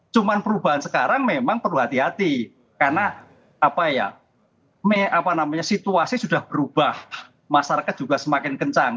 cuma perubahan sekarang memang perlu hati hati karena situasi sudah berubah masyarakat juga semakin kencang